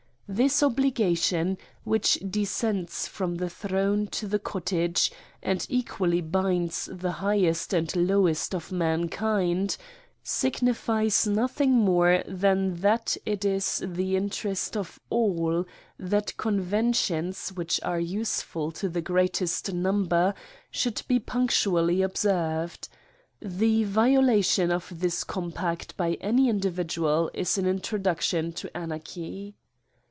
This obligation, which descends from the throne to the cottage, and equally binds the highest and lowest of mankind, .signifies nothing more than that it is the interest of all, that conventions, which are useful to the greatest number, should be punctu ally observed. The violation of this compact by any individual is an introduction to anarchy.